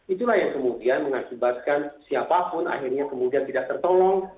itulah yang kemudian mengakibatkan siapapun akhirnya kemudian tidak tertolong